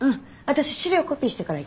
私資料コピーしてから行くね。